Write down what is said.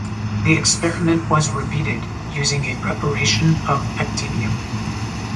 The experiment was repeated, using a preparation of actinium.